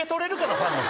ファンの人